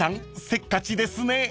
せっかちですね］